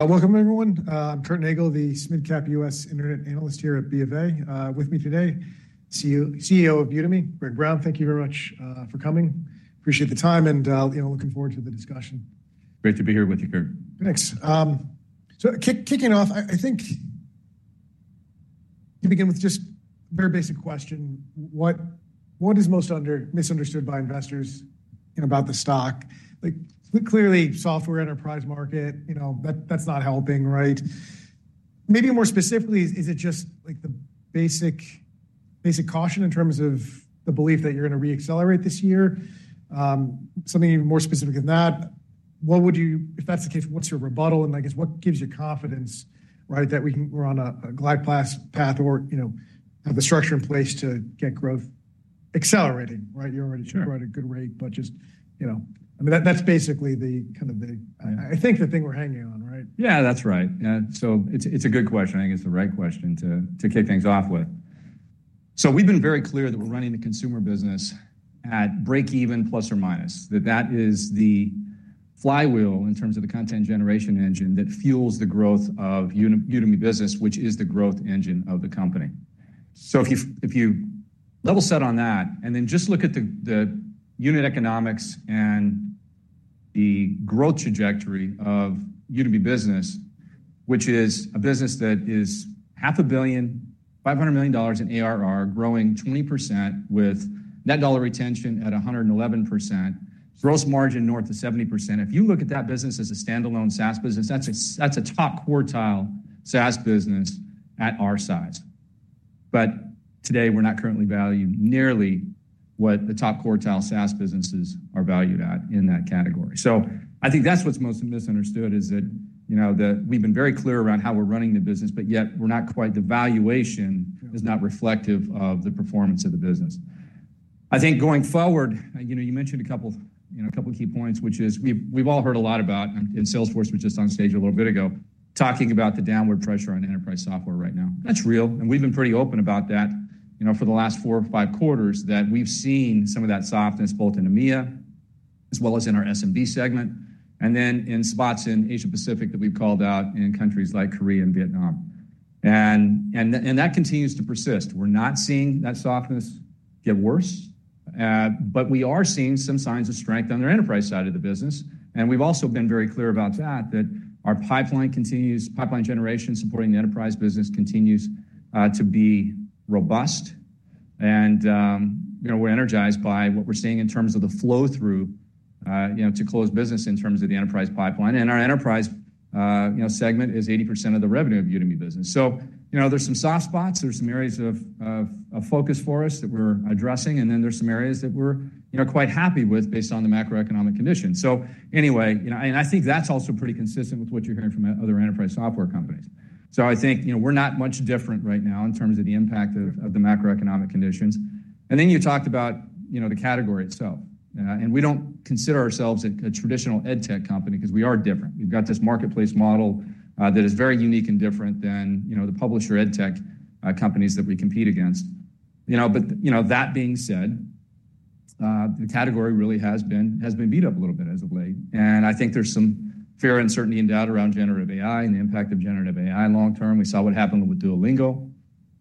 Welcome, everyone. I'm Curt Nagle, the SMID Cap U.S. Internet Analyst here at BofA. With me today, CEO of Udemy, Greg Brown. Thank you very much for coming. Appreciate the time, and looking forward to the discussion. Great to be here with you, Curt. Thanks. So kicking off, I think to begin with just a very basic question. What is most misunderstood by investors about the stock? Clearly, software enterprise market, that's not helping, right? Maybe more specifically, is it just the basic caution in terms of the belief that you're going to reaccelerate this year? Something even more specific than that. If that's the case, what's your rebuttal? And I guess, what gives you confidence that we're on a glide path or have the structure in place to get growth accelerating? You already showed a good rate, but just I mean, that's basically the kind of the I think the thing we're hanging on, right? Yeah, that's right. So it's a good question. I think it's the right question to kick things off with. So we've been very clear that we're running the consumer business at break-even, plus or minus. That is the flywheel in terms of the content generation engine that fuels the growth of Udemy Business, which is the growth engine of the company. So if you level set on that, and then just look at the unit economics and the growth trajectory of Udemy Business, which is a business that is half a billion, $500 million in ARR, growing 20% with net dollar retention at 111%, gross margin north of 70%. If you look at that business as a standalone SaaS business, that's a top quartile SaaS business at our size. But today, we're not currently valued nearly what the top quartile SaaS businesses are valued at in that category. So I think that's what's most misunderstood, is that we've been very clear around how we're running the business, but yet we're not quite the valuation is not reflective of the performance of the business. I think going forward, you mentioned a couple key points, which is we've all heard a lot about, and Salesforce was just on stage a little bit ago, talking about the downward pressure on enterprise software right now. That's real. We've been pretty open about that for the last four or five quarters, that we've seen some of that softness both in EMEA as well as in our SMB segment, and then in spots in Asia-Pacific that we've called out in countries like Korea and Vietnam. That continues to persist. We're not seeing that softness get worse, but we are seeing some signs of strength on the enterprise side of the business. And we've also been very clear about that, that our pipeline continues, pipeline generation supporting the enterprise business continues to be robust. And we're energized by what we're seeing in terms of the flow-through to close business in terms of the enterprise pipeline. And our enterprise segment is 80% of the revenue of Udemy Business. So there's some soft spots. There's some areas of focus for us that we're addressing. And then there's some areas that we're quite happy with based on the macroeconomic conditions. So anyway, and I think that's also pretty consistent with what you're hearing from other enterprise software companies. So I think we're not much different right now in terms of the impact of the macroeconomic conditions. And then you talked about the category itself. And we don't consider ourselves a traditional edtech company because we are different. We've got this marketplace model that is very unique and different than the publisher edtech companies that we compete against. That being said, the category really has been beat up a little bit as of late. I think there's some fear, uncertainty, and doubt around generative AI and the impact of generative AI long term. We saw what happened with Duolingo.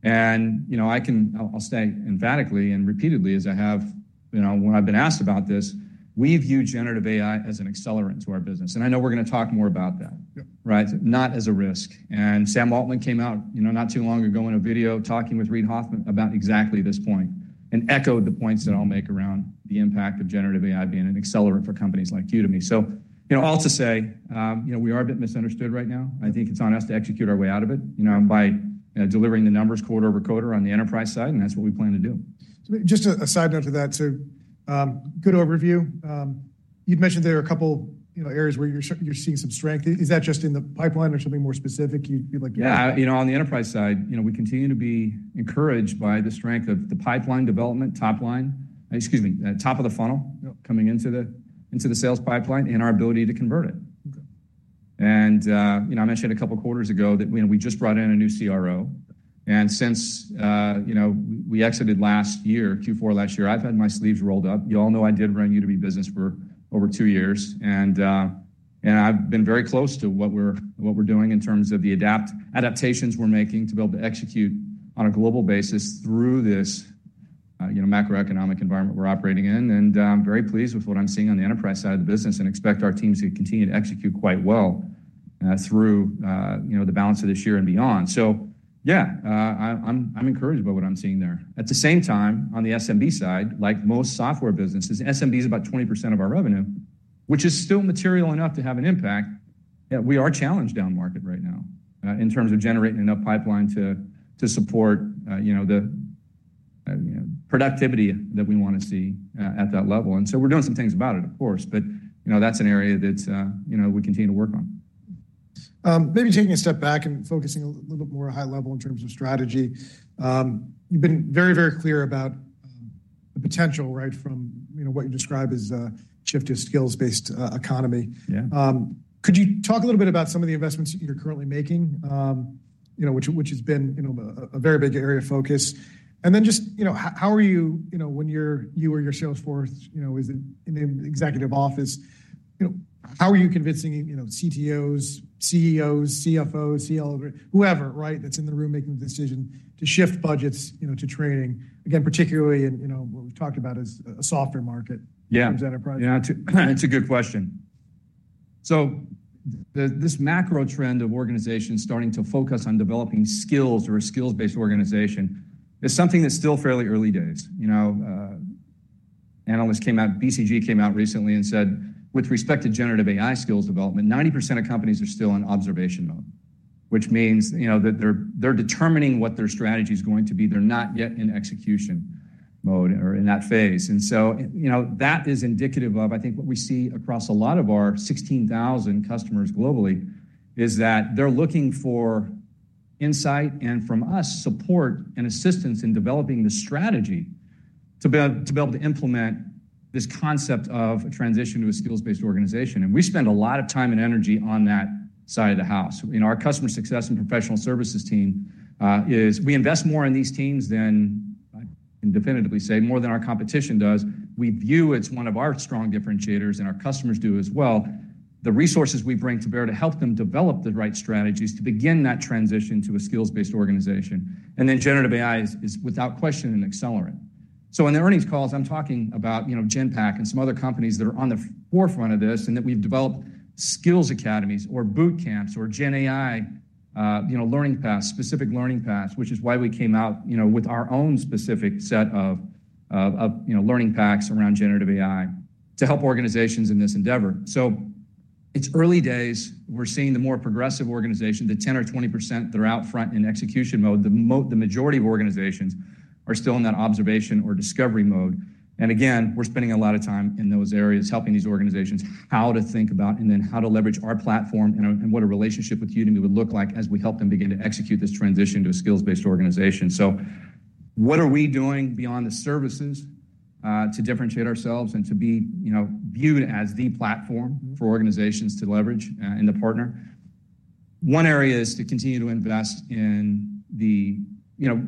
I'll say emphatically and repeatedly as I have when I've been asked about this, we view generative AI as an accelerant to our business. I know we're going to talk more about that, not as a risk. Sam Altman came out not too long ago in a video talking with Reid Hoffman about exactly this point and echoed the points that I'll make around the impact of generative AI being an accelerant for companies like Udemy. So all to say, we are a bit misunderstood right now. I think it's on us to execute our way out of it by delivering the numbers quarter over quarter on the enterprise side, and that's what we plan to do. Just a side note to that, so good overview. You'd mentioned there are a couple areas where you're seeing some strength. Is that just in the pipeline or something more specific? Yeah, on the enterprise side, we continue to be encouraged by the strength of the pipeline development top line, excuse me, top of the funnel coming into the sales pipeline and our ability to convert it. And I mentioned a couple of quarters ago that we just brought in a new CRO. And since we exited last year, Q4 last year, I've had my sleeves rolled up. You all know I did run Udemy Business for over two years. And I've been very close to what we're doing in terms of the adaptations we're making to be able to execute on a global basis through this macroeconomic environment we're operating in. And I'm very pleased with what I'm seeing on the enterprise side of the business and expect our teams to continue to execute quite well through the balance of this year and beyond. So yeah, I'm encouraged by what I'm seeing there. At the same time, on the SMB side, like most software businesses, SMB is about 20% of our revenue, which is still material enough to have an impact. We are challenged down market right now in terms of generating enough pipeline to support the productivity that we want to see at that level. And so we're doing some things about it, of course, but that's an area that we continue to work on. Maybe taking a step back and focusing a little bit more high level in terms of strategy. You've been very, very clear about the potential from what you describe as a shift to a skills-based economy. Could you talk a little bit about some of the investments you're currently making, which has been a very big area of focus? And then just how are you, when you or your sales force is in the executive office, how are you convincing CTOs, CEOs, CFOs, CLOs, whoever that's in the room making the decision to shift budgets to training? Again, particularly in what we've talked about as a software market in terms of enterprise. Yeah, that's a good question. So this macro trend of organizations starting to focus on developing skills or a skills-based organization is something that's still fairly early days. Analysts came out, BCG came out recently and said, with respect to generative AI skills development, 90% of companies are still in observation mode, which means that they're determining what their strategy is going to be. They're not yet in execution mode or in that phase. And so that is indicative of, I think, what we see across a lot of our 16,000 customers globally is that they're looking for insight and from us support and assistance in developing the strategy to be able to implement this concept of a transition to a skills-based organization. And we spend a lot of time and energy on that side of the house. Our customer success and professional services teams, we invest more in these teams than I can definitively say, more than our competition does. We view it as one of our strong differentiators, and our customers do as well. The resources we bring to bear to help them develop the right strategies to begin that transition to a skills-based organization. And then generative AI is, without question, an accelerant. So in the earnings calls, I'm talking about Genpact and some other companies that are on the forefront of this and that we've developed skills academies or boot camps or GenAI learning paths, specific learning paths, which is why we came out with our own specific set of learning packs around generative AI to help organizations in this endeavor. So it's early days. We're seeing the more progressive organization, the 10% or 20% that are out front in execution mode, the majority of organizations are still in that observation or discovery mode. And again, we're spending a lot of time in those areas helping these organizations how to think about and then how to leverage our platform and what a relationship with Udemy would look like as we help them begin to execute this transition to a skills-based organization. So what are we doing beyond the services to differentiate ourselves and to be viewed as the platform for organizations to leverage and to partner? One area is to continue to invest in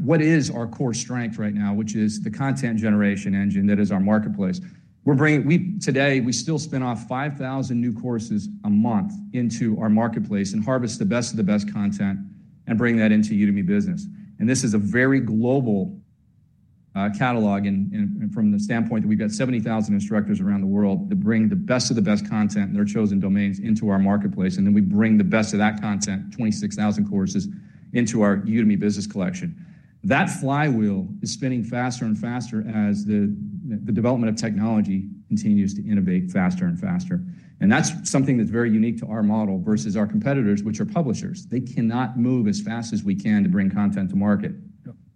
what is our core strength right now, which is the content generation engine that is our marketplace. Today, we still spin off 5,000 new courses a month into our marketplace and harvest the best of the best content and bring that into Udemy Business. This is a very global catalog from the standpoint that we've got 70,000 instructors around the world that bring the best of the best content in their chosen domains into our marketplace. Then we bring the best of that content, 26,000 courses, into our Udemy Business collection. That flywheel is spinning faster and faster as the development of technology continues to innovate faster and faster. That's something that's very unique to our model versus our competitors, which are publishers. They cannot move as fast as we can to bring content to market.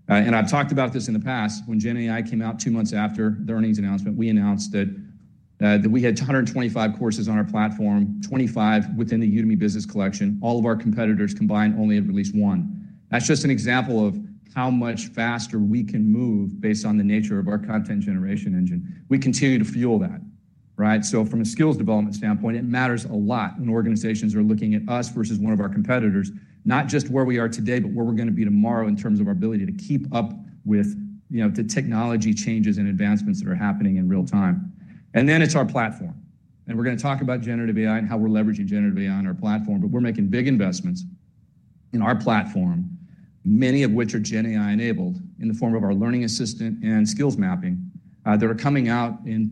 I've talked about this in the past. When GenAI came out 2 months after the earnings announcement, we announced that we had 125 courses on our platform, 25 within the Udemy Business collection. All of our competitors combined only had released 1. That's just an example of how much faster we can move based on the nature of our content generation engine. We continue to fuel that. So from a skills development standpoint, it matters a lot when organizations are looking at us versus one of our competitors, not just where we are today, but where we're going to be tomorrow in terms of our ability to keep up with the technology changes and advancements that are happening in real time. And then it's our platform. And we're going to talk about generative AI and how we're leveraging generative AI on our platform, but we're making big investments in our platform, many of which are GenAI-enabled in the form of our learning assistant and skills mapping that are coming out and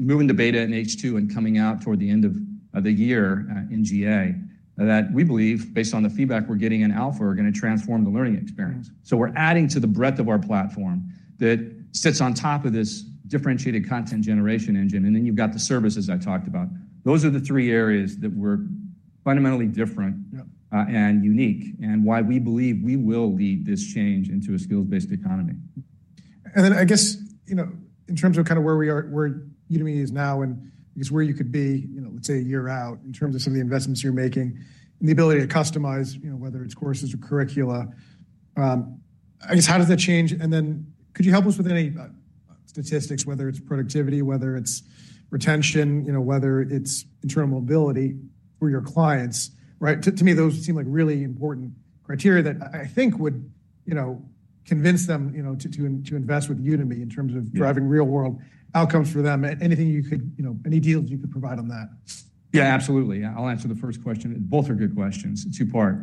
moving the beta in H2 and coming out toward the end of the year in GA that we believe, based on the feedback we're getting in Alpha, are going to transform the learning experience. So we're adding to the breadth of our platform that sits on top of this differentiated content generation engine. And then you've got the services I talked about. Those are the three areas that were fundamentally different and unique and why we believe we will lead this change into a skills-based economy. And then I guess in terms of kind of where Udemy is now and I guess where you could be, let's say a year out, in terms of some of the investments you're making and the ability to customize, whether it's courses or curricula, I guess how does that change? And then could you help us with any statistics, whether it's productivity, whether it's retention, whether it's internal mobility for your clients? To me, those seem like really important criteria that I think would convince them to invest with Udemy in terms of driving real-world outcomes for them. Anything you could, any deals you could provide on that? Yeah, absolutely. I'll answer the first question. Both are good questions. Two-part.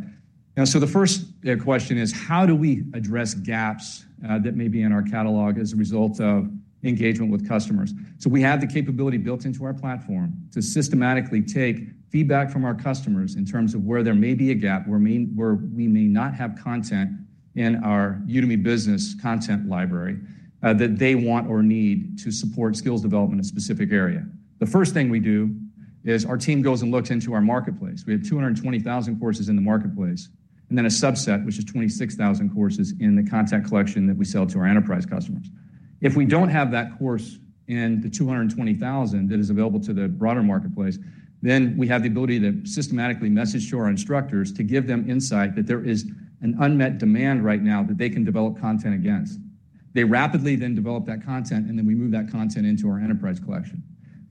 So the first question is, how do we address gaps that may be in our catalog as a result of engagement with customers? So we have the capability built into our platform to systematically take feedback from our customers in terms of where there may be a gap, where we may not have content in our Udemy Business content library that they want or need to support skills development in a specific area. The first thing we do is our team goes and looks into our marketplace. We have 220,000 courses in the marketplace and then a subset, which is 26,000 courses in the content collection that we sell to our enterprise customers. If we don't have that course in the 220,000 that is available to the broader marketplace, then we have the ability to systematically message to our instructors to give them insight that there is an unmet demand right now that they can develop content against. They rapidly then develop that content, and then we move that content into our enterprise collection.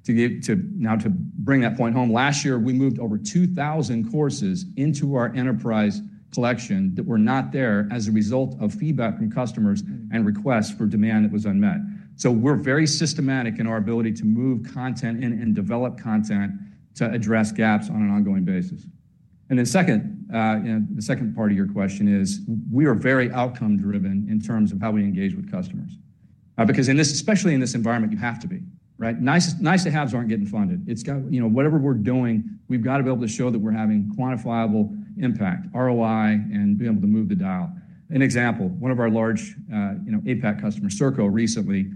Now, to bring that point home, last year, we moved over 2,000 courses into our enterprise collection that were not there as a result of feedback from customers and requests for demand that was unmet. So we're very systematic in our ability to move content in and develop content to address gaps on an ongoing basis. And then second, the second part of your question is we are very outcome-driven in terms of how we engage with customers. Because especially in this environment, you have to be. Nice-to-haves aren't getting funded. Whatever we're doing, we've got to be able to show that we're having quantifiable impact, ROI, and be able to move the dial. An example, one of our large APAC customers, Serco recently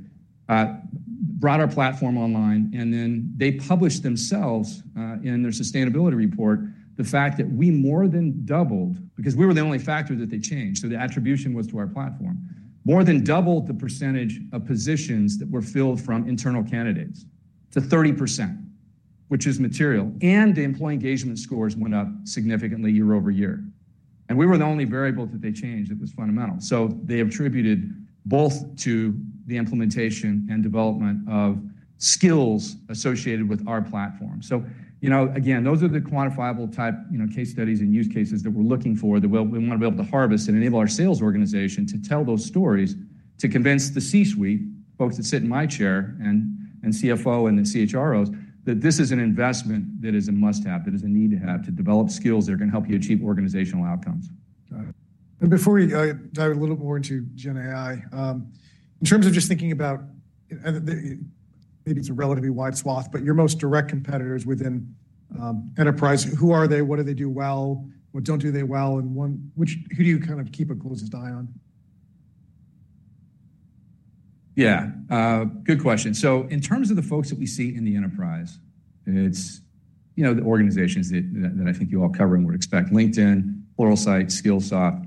brought our platform online, and then they published themselves in their sustainability report the fact that we more than doubled because we were the only factor that they changed. So the attribution was to our platform. More than doubled the percentage of positions that were filled from internal candidates to 30%, which is material. And the employee engagement scores went up significantly year-over-year. And we were the only variable that they changed that was fundamental. So they attributed both to the implementation and development of skills associated with our platform. So again, those are the quantifiable type case studies and use cases that we're looking for that we want to be able to harvest and enable our sales organization to tell those stories to convince the C-suite, folks that sit in my chair, and CFO and the CHROs that this is an investment that is a must-have, that is a need to have to develop skills that are going to help you achieve organizational outcomes. Before we dive a little more into GenAI, in terms of just thinking about maybe it's a relatively wide swath, but your most direct competitors within enterprise, who are they? What do they do well? What don't they do well? And who do you kind of keep a closest eye on? Yeah, good question. So in terms of the folks that we see in the enterprise, it's the organizations that I think you all cover and would expect: LinkedIn, Pluralsight, Skillsoft,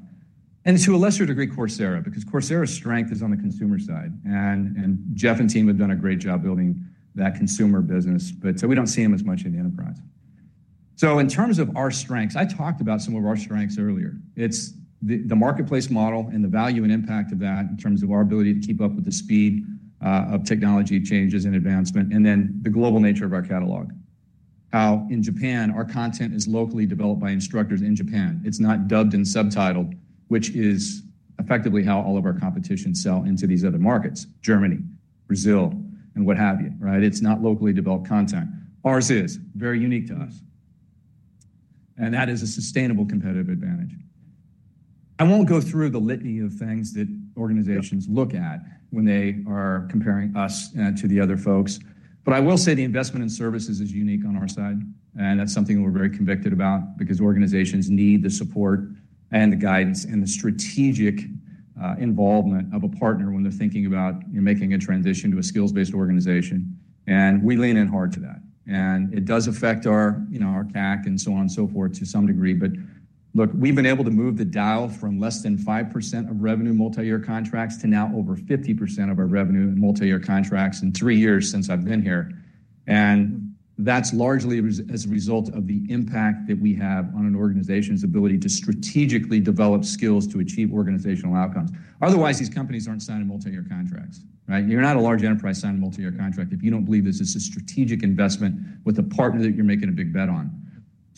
and to a lesser degree, Coursera, because Coursera's strength is on the consumer side. And Jeff and team have done a great job building that consumer business, but we don't see them as much in the enterprise. So in terms of our strengths, I talked about some of our strengths earlier. It's the marketplace model and the value and impact of that in terms of our ability to keep up with the speed of technology changes and advancement, and then the global nature of our catalog. How in Japan, our content is locally developed by instructors in Japan. It's not dubbed and subtitled, which is effectively how all of our competition sell into these other markets: Germany, Brazil, and what have you. It's not locally developed content. Ours is very unique to us. That is a sustainable competitive advantage. I won't go through the litany of things that organizations look at when they are comparing us to the other folks, but I will say the investment in services is unique on our side. That's something we're very convicted about because organizations need the support and the guidance and the strategic involvement of a partner when they're thinking about making a transition to a skills-based organization. We lean in hard to that. It does affect our CAC and so on and so forth to some degree. But look, we've been able to move the dial from less than 5% of revenue multi-year contracts to now over 50% of our revenue in multi-year contracts in three years since I've been here. That's largely as a result of the impact that we have on an organization's ability to strategically develop skills to achieve organizational outcomes. Otherwise, these companies aren't signing multi-year contracts. You're not a large enterprise signing a multi-year contract if you don't believe this is a strategic investment with a partner that you're making a big bet on.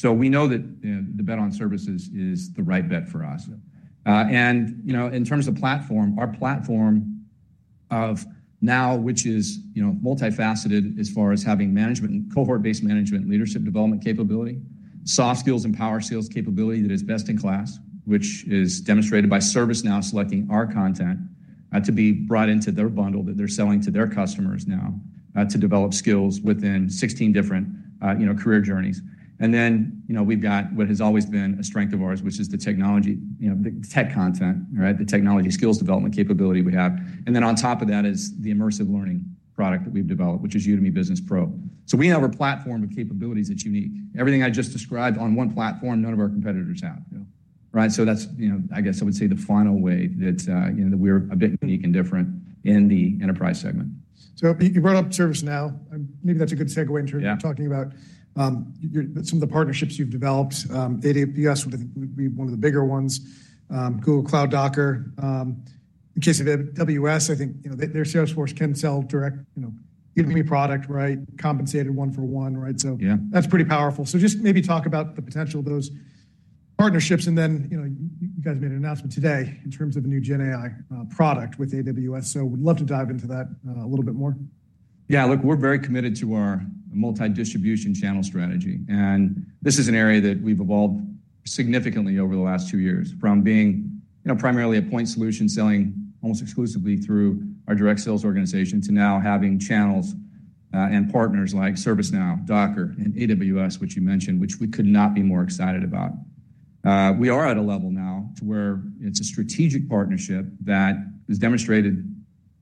We know that the bet on services is the right bet for us. In terms of the platform, our platform of now, which is multifaceted as far as having management and cohort-based management and leadership development capability, soft skills and power skills capability that is best in class, which is demonstrated by ServiceNow selecting our content to be brought into their bundle that they're selling to their customers now to develop skills within 16 different career journeys. And then we've got what has always been a strength of ours, which is the technology, the tech content, the technology skills development capability we have. And then on top of that is the immersive learning product that we've developed, which is Udemy Business Pro. So we have a platform of capabilities that's unique. Everything I just described on one platform, none of our competitors have. That's, I guess I would say, the final way that we're a bit unique and different in the enterprise segment. So you brought up ServiceNow. Maybe that's a good segue into talking about some of the partnerships you've developed. AWS would be one of the bigger ones, Google Cloud, Docker. In the case of AWS, I think their Salesforce can sell direct Udemy product, compensated one for one. So that's pretty powerful. So just maybe talk about the potential of those partnerships. And then you guys made an announcement today in terms of a new GenAI product with AWS. So we'd love to dive into that a little bit more. Yeah, look, we're very committed to our multi-distribution channel strategy. And this is an area that we've evolved significantly over the last two years from being primarily a point solution selling almost exclusively through our direct sales organization to now having channels and partners like ServiceNow, Docker, and AWS, which you mentioned, which we could not be more excited about. We are at a level now to where it's a strategic partnership that is demonstrated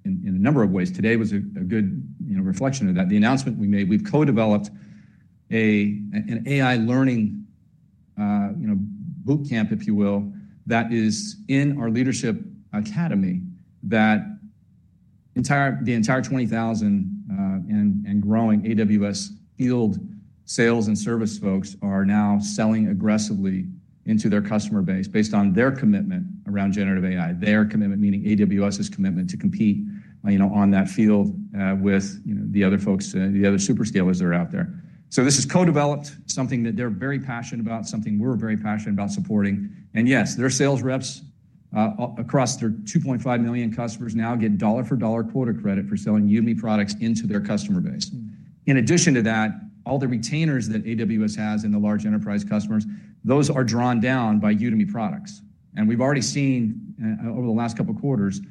in a number of ways. Today was a good reflection of that. The announcement we made, we've co-developed an AI learning bootcamp, if you will, that is in our leadership academy that the entire 20,000 and growing AWS field sales and service folks are now selling aggressively into their customer base based on their commitment around generative AI, their commitment, meaning AWS's commitment to compete on that field with the other folks, the other hyperscalers that are out there. So this is co-developed, something that they're very passionate about, something we're very passionate about supporting. And yes, their sales reps across their 2.5 million customers now get dollar-for-dollar quota credit for selling Udemy products into their customer base. In addition to that, all the retainers that AWS has in the large enterprise customers, those are drawn down by Udemy products. We've already seen over the last couple of quarters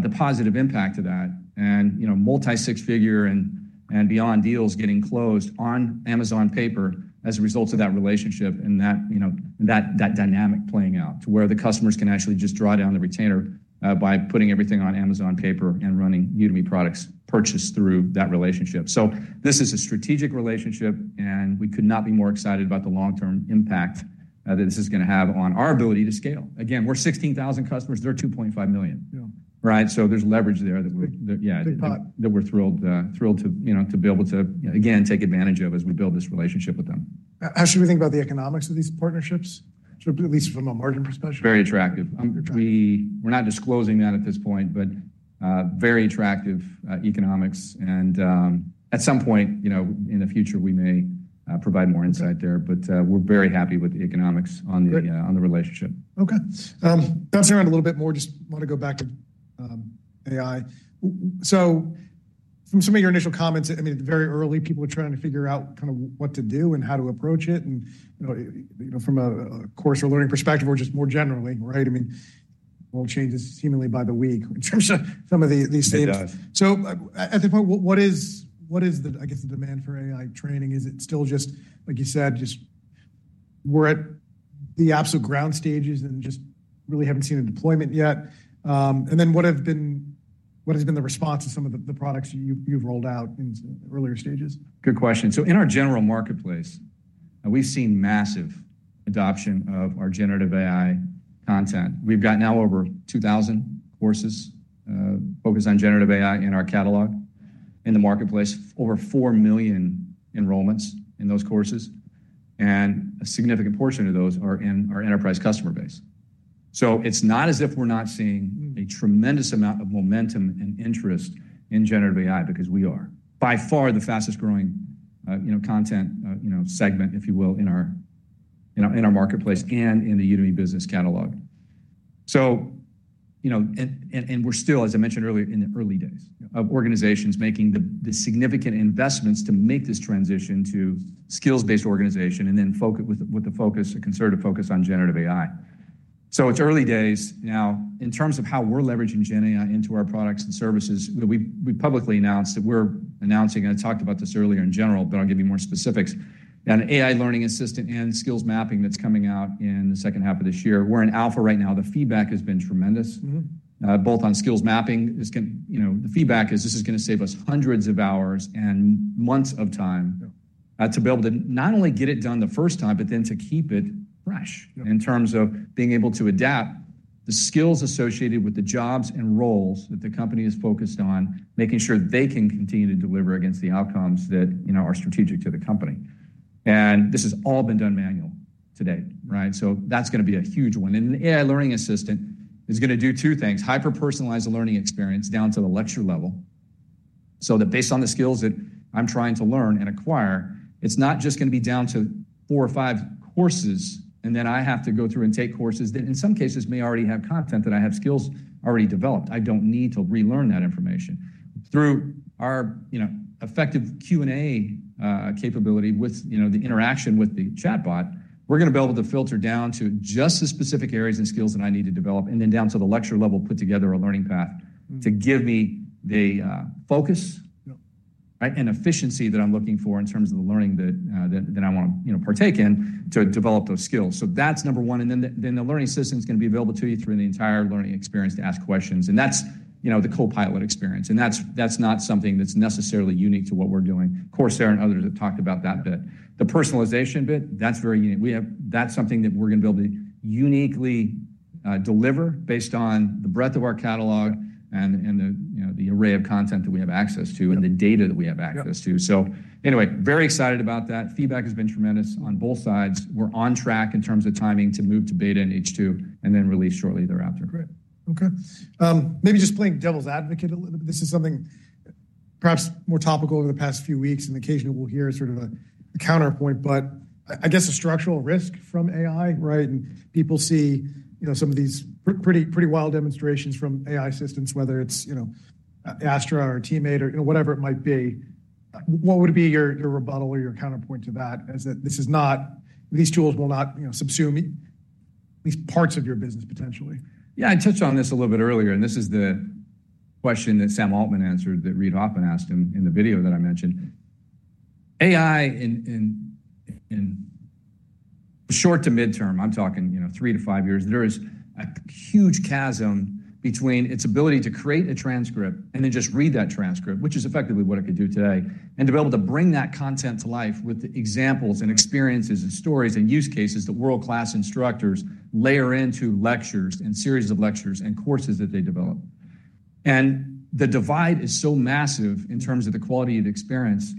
the positive impact of that and multi-six-figure and beyond deals getting closed on Amazon paper as a result of that relationship and that dynamic playing out to where the customers can actually just draw down the retainer by putting everything on Amazon paper and running Udemy products purchased through that relationship. So this is a strategic relationship, and we could not be more excited about the long-term impact that this is going to have on our ability to scale. Again, we're 16,000 customers. They're 2.5 million. So there's leverage there that we're thrilled to be able to, again, take advantage of as we build this relationship with them. How should we think about the economics of these partnerships, at least from a margin perspective? Very attractive. We're not disclosing that at this point, but very attractive economics. At some point in the future, we may provide more insight there, but we're very happy with the economics on the relationship. Okay. Bouncing around a little bit more, just want to go back to AI. So from some of your initial comments, I mean, at the very early, people were trying to figure out kind of what to do and how to approach it. And from a course or learning perspective or just more generally, I mean, the world changes seemingly by the week in terms of some of these things. So at this point, what is, I guess, the demand for AI training? Is it still just, like you said, just we're at the absolute ground stages and just really haven't seen a deployment yet? And then what has been the response to some of the products you've rolled out in earlier stages? Good question. So in our general marketplace, we've seen massive adoption of our generative AI content. We've got now over 2,000 courses focused on generative AI in our catalog in the marketplace, over 4 million enrollments in those courses, and a significant portion of those are in our enterprise customer base. So it's not as if we're not seeing a tremendous amount of momentum and interest in generative AI because we are by far the fastest growing content segment, if you will, in our marketplace and in the Udemy Business Catalog. And we're still, as I mentioned earlier, in the early days of organizations making the significant investments to make this transition to skills-based organization and then with the concerted focus on generative AI. So it's early days now. In terms of how we're leveraging GenAI into our products and services, we publicly announced that we're announcing, and I talked about this earlier in general, but I'll give you more specifics, an AI learning assistant and skills mapping that's coming out in the second half of this year. We're in alpha right now. The feedback has been tremendous, both on skills mapping. The feedback is this is going to save us hundreds of hours and months of time to be able to not only get it done the first time, but then to keep it fresh in terms of being able to adapt the skills associated with the jobs and roles that the company is focused on, making sure they can continue to deliver against the outcomes that are strategic to the company. This has all been done manually today. So that's going to be a huge one. The AI learning assistant is going to do two things: hyper-personalize the learning experience down to the lecture level so that based on the skills that I'm trying to learn and acquire, it's not just going to be down to four or five courses, and then I have to go through and take courses that in some cases may already have content that I have skills already developed. I don't need to relearn that information. Through our effective Q&A capability with the interaction with the chatbot, we're going to be able to filter down to just the specific areas and skills that I need to develop, and then down to the lecture level, put together a learning path to give me the focus and efficiency that I'm looking for in terms of the learning that I want to partake in to develop those skills. So that's number one. And then the learning system is going to be available to you through the entire learning experience to ask questions. And that's the Copilot experience. And that's not something that's necessarily unique to what we're doing. Coursera and others have talked about that bit. The personalization bit, that's very unique. That's something that we're going to be able to uniquely deliver based on the breadth of our catalog and the array of content that we have access to and the data that we have access to. So anyway, very excited about that. Feedback has been tremendous on both sides. We're on track in terms of timing to move to beta in H2 and then release shortly thereafter. Great. Okay. Maybe just playing devil's advocate a little bit. This is something perhaps more topical over the past few weeks, and occasionally we'll hear sort of a counterpoint, but I guess a structural risk from AI. People see some of these pretty wild demonstrations from AI assistants, whether it's Astra or Teammate or whatever it might be. What would be your rebuttal or your counterpoint to that? This tool will not subsume at least parts of your business potentially. Yeah, I touched on this a little bit earlier, and this is the question that Sam Altman answered that Reid Hoffman asked him in the video that I mentioned. AI in short to midterm, I'm talking 3-5 years, there is a huge chasm between its ability to create a transcript and then just read that transcript, which is effectively what it could do today, and to be able to bring that content to life with the examples and experiences and stories and use cases that world-class instructors layer into lectures and series of lectures and courses that they develop. And the divide is so massive in terms of the quality of the experience.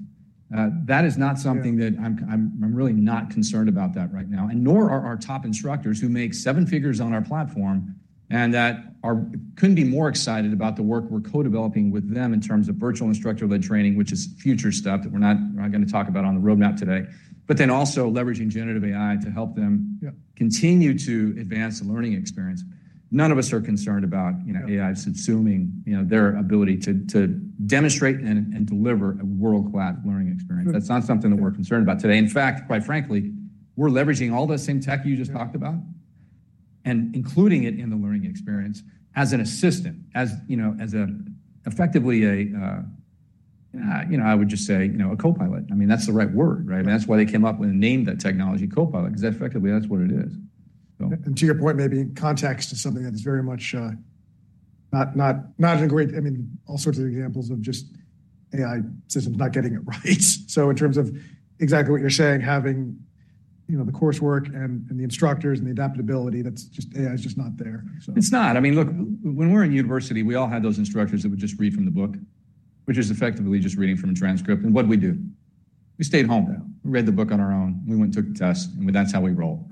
That is not something that I'm really not concerned about that right now, and nor are our top instructors who make seven figures on our platform and that couldn't be more excited about the work we're co-developing with them in terms of virtual instructor-led training, which is future stuff that we're not going to talk about on the roadmap today, but then also leveraging generative AI to help them continue to advance the learning experience. None of us are concerned about AI subsuming their ability to demonstrate and deliver a world-class learning experience. That's not something that we're concerned about today. In fact, quite frankly, we're leveraging all the same tech you just talked about and including it in the learning experience as an assistant, as effectively a, I would just say, a Copilot. I mean, that's the right word. That's why they came up with the name that technology, Copilot, because effectively that's what it is. To your point, maybe context is something that is very much not in a great, I mean, all sorts of examples of just AI systems not getting it right. In terms of exactly what you're saying, having the coursework and the instructors and the adaptability, that's just AI is just not there. It's not. I mean, look, when we're in university, we all had those instructors that would just read from the book, which is effectively just reading from a transcript. And what did we do? We stayed home. We read the book on our own. We went and took the test, and that's how we roll,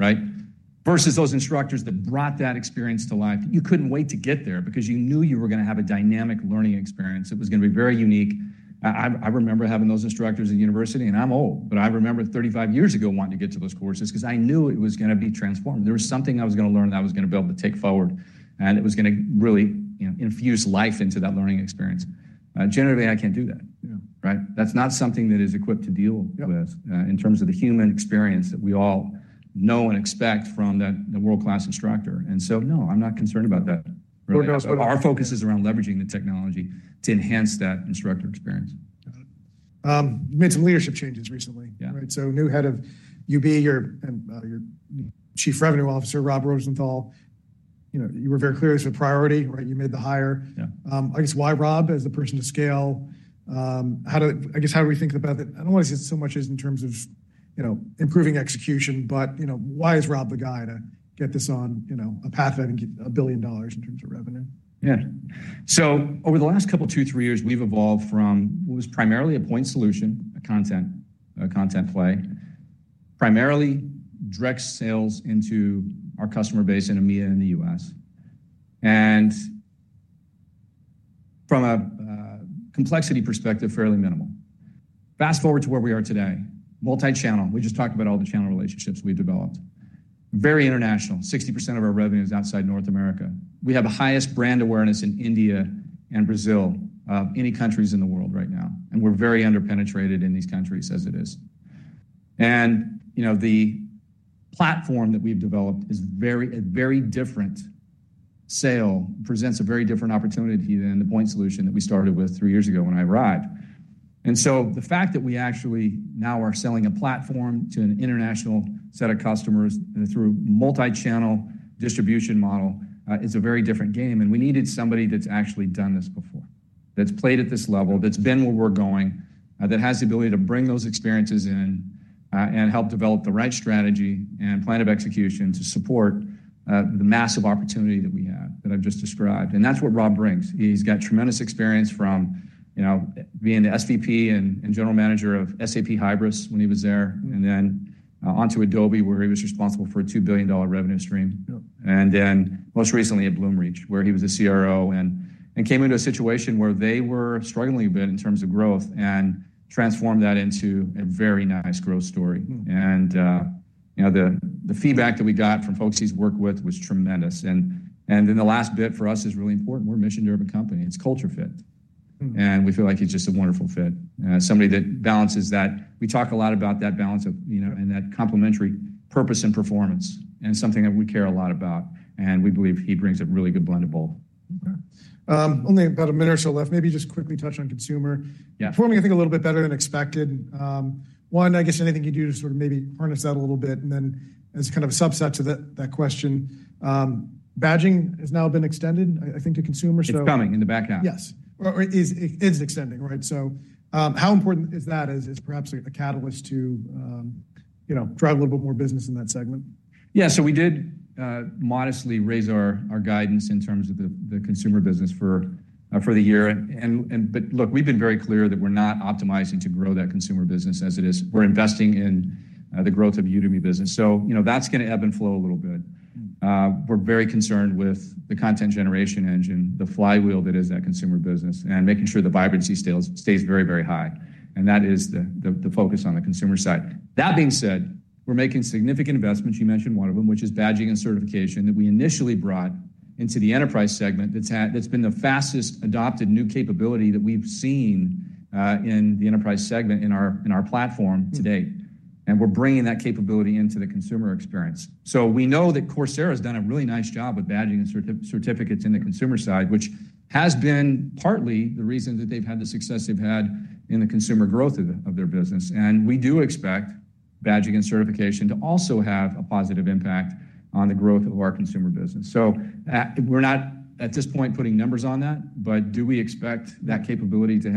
versus those instructors that brought that experience to life. You couldn't wait to get there because you knew you were going to have a dynamic learning experience. It was going to be very unique. I remember having those instructors in university, and I'm old, but I remember 35 years ago wanting to get to those courses because I knew it was going to be transformed. There was something I was going to learn that I was going to be able to take forward, and it was going to really infuse life into that learning experience. Generative AI can't do that. That's not something that is equipped to deal with in terms of the human experience that we all know and expect from the world-class instructor. And so no, I'm not concerned about that. Our focus is around leveraging the technology to enhance that instructor experience. You made some leadership changes recently. So new head of UB, your Chief Revenue Officer, Rob Rosenthal, you were very clear this was a priority. You made the hire. I guess why Rob as the person to scale? I guess how do we think about that? I don't want to say so much as in terms of improving execution, but why is Rob the guy to get this on a path that can get $1 billion in terms of revenue? Yeah. So over the last couple of 2, 3 years, we've evolved from what was primarily a point solution, a content play, primarily direct sales into our customer base in EMEA in the U.S. And from a complexity perspective, fairly minimal. Fast forward to where we are today, multi-channel. We just talked about all the channel relationships we've developed. Very international. 60% of our revenue is outside North America. We have the highest brand awareness in India and Brazil of any countries in the world right now. And we're very underpenetrated in these countries as it is. And the platform that we've developed is a very different sale, presents a very different opportunity than the point solution that we started with 3 years ago when I arrived. So the fact that we actually now are selling a platform to an international set of customers through a multi-channel distribution model is a very different game. We needed somebody that's actually done this before, that's played at this level, that's been where we're going, that has the ability to bring those experiences in and help develop the right strategy and plan of execution to support the massive opportunity that we have that I've just described. That's what Rob brings. He's got tremendous experience from being the SVP and general manager of SAP Hybris when he was there, and then onto Adobe, where he was responsible for a $2 billion revenue stream. Then most recently at Bloomreach, where he was a CRO and came into a situation where they were struggling a bit in terms of growth and transformed that into a very nice growth story. The feedback that we got from folks he's worked with was tremendous. Then the last bit for us is really important. We're a mission-driven company. It's culture fit. We feel like he's just a wonderful fit, somebody that balances that. We talk a lot about that balance and that complementary purpose and performance and something that we care a lot about. We believe he brings a really good blend of both. Okay. Only about a minute or so left. Maybe just quickly touch on consumer. Performing, I think, a little bit better than expected. One, I guess anything you do to sort of maybe harness that a little bit. And then as kind of a subset to that question, badging has now been extended, I think, to consumers. It's coming in the back half. Yes. It is extending. So how important is that as perhaps a catalyst to drive a little bit more business in that segment? Yeah. So we did modestly raise our guidance in terms of the consumer business for the year. But look, we've been very clear that we're not optimizing to grow that consumer business as it is. We're investing in the growth of the Udemy Business. So that's going to ebb and flow a little bit. We're very concerned with the content generation engine, the flywheel that is that consumer business, and making sure the vibrancy stays very, very high. And that is the focus on the consumer side. That being said, we're making significant investments. You mentioned one of them, which is badging and certification that we initially brought into the enterprise segment that's been the fastest adopted new capability that we've seen in the enterprise segment in our platform to date. And we're bringing that capability into the consumer experience. So we know that Coursera has done a really nice job with badging and certificates in the consumer side, which has been partly the reason that they've had the success they've had in the consumer growth of their business. And we do expect badging and certification to also have a positive impact on the growth of our consumer business. So we're not at this point putting numbers on that, but do we expect that capability to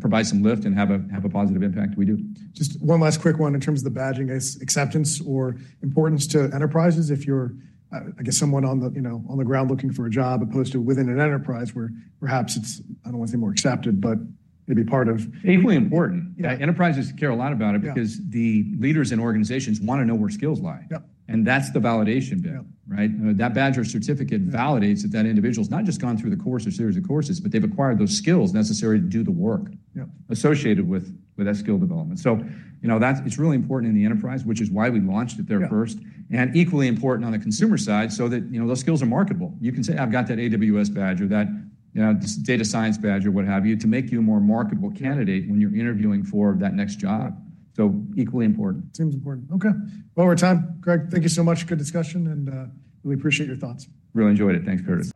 provide some lift and have a positive impact? We do. Just one last quick one in terms of the badging acceptance or importance to enterprises. If you're, I guess, someone on the ground looking for a job opposed to within an enterprise where perhaps it's, I don't want to say more accepted, but maybe part of. Equally important. Enterprises care a lot about it because the leaders in organizations want to know where skills lie. That's the validation bit. That badge or certificate validates that that individual's not just gone through the course or series of courses, but they've acquired those skills necessary to do the work associated with that skill development. So it's really important in the enterprise, which is why we launched it there first, and equally important on the consumer side so that those skills are marketable. You can say, "I've got that AWS badge or that data science badge or what have you" to make you a more marketable candidate when you're interviewing for that next job. So equally important. Seems important. Okay. Well, we're at time. Gregg, thank you so much. Good discussion, and we appreciate your thoughts. Really enjoyed it. Thanks, Curtis.